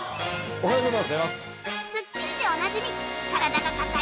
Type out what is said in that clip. おはようございます。